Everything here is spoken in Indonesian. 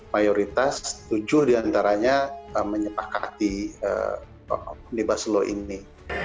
mayoritas tujuh diantaranya menyepakati omnibus law ini